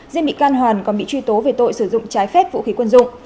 riêng bị can hoàn còn bị truy tố về tội sử dụng trái phép vũ khí quân dụng